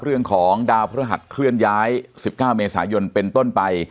เรื่องของดาวพระหัสเคลื่อนย้าย๑๙เมษายนเป็นต้นไป